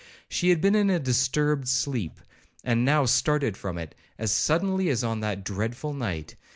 She had been in a disturbed sleep, and now started from it as suddenly as on that dreadful night.